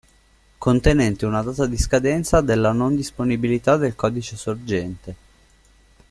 Contenente una data di scadenza della non disponibilità del codice sorgente.